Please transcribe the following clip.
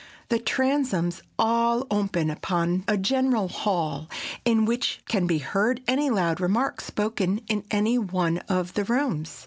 The transoms all open upon a general hall in which can be heard any loud remark spoken in any one of the rooms.